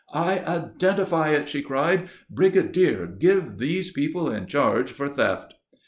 "I identify it," she cried. "Brigadier, give these people in charge for theft."